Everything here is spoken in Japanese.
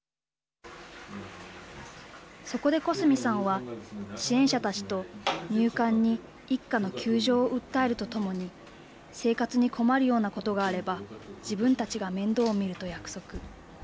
そこで、小澄さんは支援者たちと入管に一家の窮状を訴えるとともに生活に困るようなことがあれば自分たちが面倒を見ると約束。